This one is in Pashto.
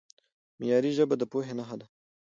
معیاري ژبه د پوهې نښه ده.